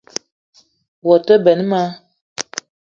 Woua te benn ma